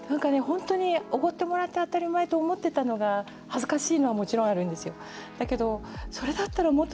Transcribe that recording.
本当におごってもらえて当たり前と思ってたのが恥ずかしいのはもちろんあるんですよ。